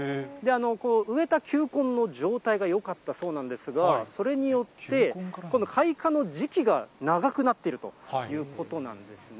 植えた球根の状態がよかったそうなんですが、それによって、この開花の時期が長くなっているということなんですね。